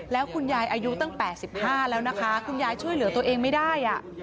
แล้วคุณยายอายุตั้ง๘๕แล้วนะคะคุณยายช่วยเหลือตัวเองไม่ได้